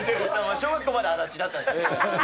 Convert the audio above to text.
小学校まで足立だったんです